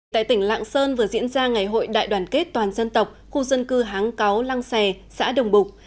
tại tỉnh lạng sơn vừa diễn ra ngày hội đại đoàn kết toàn dân tộc khu dân cư háng cáu lăng xè xã đồng bục